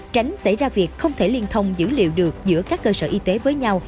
tránh xảy ra việc không thể liên thông dữ liệu được giữa các cơ sở y tế với nhau